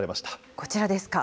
こちらですか。